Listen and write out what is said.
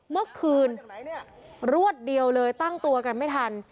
เมื่อคืนรวดเดียวเลยตั้งตัวกันไม่ทัน